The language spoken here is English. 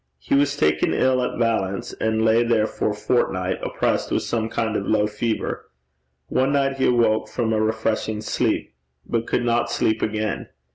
He was taken ill at Valence and lay there for a fortnight, oppressed with some kind of low fever. One night he awoke from a refreshing sleep, but could not sleep again.